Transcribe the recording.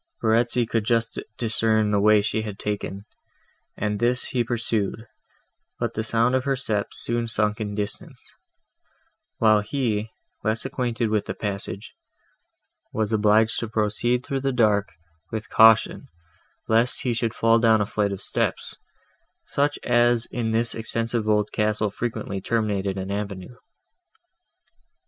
Verezzi could just discern the way she had taken, and this he pursued; but the sound of her steps soon sunk in distance, while he, less acquainted with the passage, was obliged to proceed through the dark, with caution, lest he should fall down a flight of steps, such as in this extensive old castle frequently terminated an avenue.